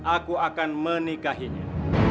aku akan menikahinya